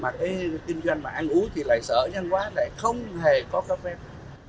mà cái kinh doanh mà ăn uống thì lại sợ nhân quá lại không hề có cấp phép